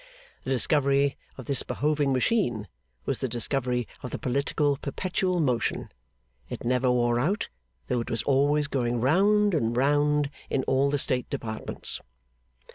The discovery of this Behoving Machine was the discovery of the political perpetual motion. It never wore out, though it was always going round and round in all the State Departments.